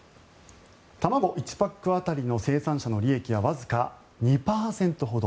卵１パック当たりの生産者の利益はわずか２％ほど。